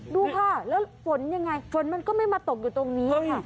ดูค่ะแล้วฝนยังไงฝนมันก็ไม่มาตกอยู่ตรงนี้ค่ะ